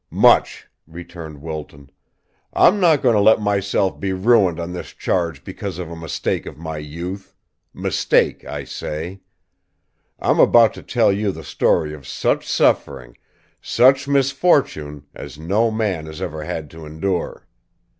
"Much!" returned Wilton. "I'm not going to let myself be ruined on this charge because of a mistake of my youth mistake, I say! I'm about to tell you the story of such suffering, such misfortune, as no man has ever had to endure.